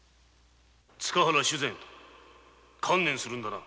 ・塚原主膳観念するんだな！